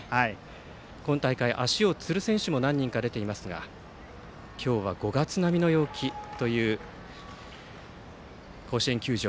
今大会、足をつる選手も何人か出ていますが今日は５月並みの陽気という甲子園球場。